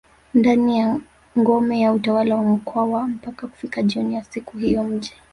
ndani ya ngome ya utawala wa mkwawa mpaka kufika jioni ya siku hiyo mji